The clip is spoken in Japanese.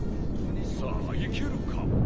さあいけるか？